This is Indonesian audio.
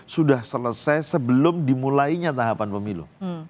sudah selesai sebelum dimulainya tahapan pemilu